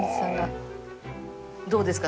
どうですか？